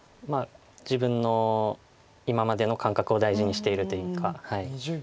自分の今までの感覚を大事にしているというか。